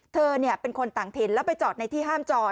เธอเป็นคนต่างถิ่นแล้วไปจอดในที่ห้ามจอด